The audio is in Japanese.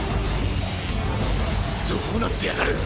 どうなってやがる